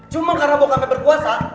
cuma karena bokapnya berkuasa